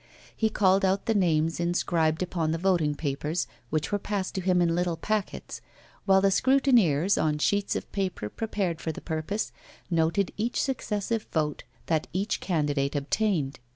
He called out the names inscribed upon the voting papers, which were passed to him in little packets, while the scrutineers, on sheets of paper prepared for the purpose, noted each successive vote that each candidate obtained.